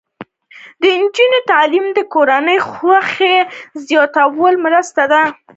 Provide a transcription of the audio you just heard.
د نجونو تعلیم د کورنۍ خوښۍ زیاتولو مرسته ده.